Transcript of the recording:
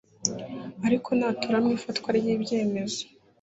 ariko ntatora mu ifatwa ry ibyemezo